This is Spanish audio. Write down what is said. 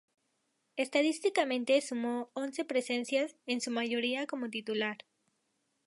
Estadísticamente sumó once presencias, en su mayoría como titular.